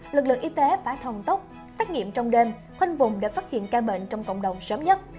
lực lượng y tế phải thần tốc xét nghiệm trong đêm khoanh vùng để phát hiện ca bệnh trong cộng đồng sớm nhất